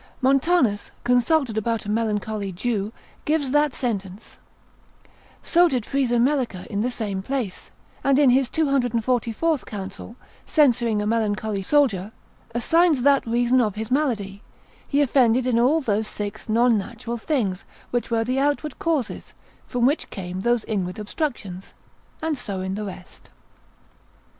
Montanus, consil. 22, consulted about a melancholy Jew, gives that sentence, so did Frisemelica in the same place; and in his 244 counsel, censuring a melancholy soldier, assigns that reason of his malady, he offended in all those six non natural things, which were the outward causes, from which came those inward obstructions; and so in the rest.